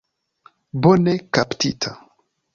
Bone kaptita.